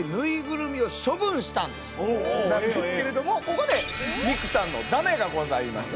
なんですけれどもここで美紅さんのだめがございました。